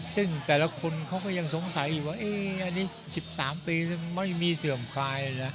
ซึ่งแต่ละคนก็ยังสงสัยว่า๑๓ปีไม่มีเสื่อมคลาย